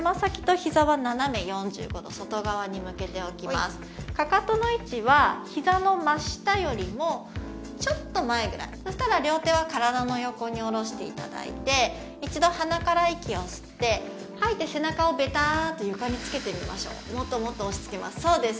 ひざは斜め４５度外側に向けておきますかかとの位置はひざの真下よりもちょっと前ぐらいそしたら両手は体の横に下ろしていただいて一度鼻から息を吸って吐いて背中をベタッと床につけてみましょうもっともっと押しつけますそうです